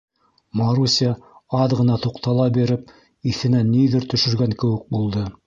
Маруся, аҙ ғына туҡтала биреп, иҫенә ниҙер төшөргән кеүек булды.